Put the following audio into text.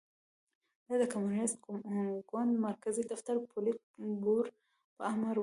دا د کمونېست ګوند مرکزي دفتر پولیټ بورو په امر و